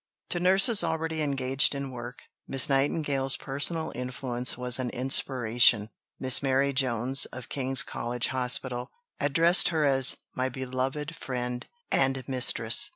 To nurses already engaged in work, Miss Nightingale's personal influence was an inspiration. Miss Mary Jones, of King's College Hospital, addressed her as "My beloved Friend and Mistress."